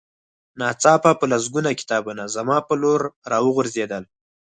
ناڅاپه په لسګونه کتابونه زما په لور را وغورځېدل